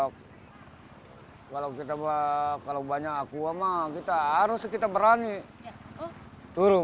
kalau kita kalau banyak aqua mah kita harus kita berani turun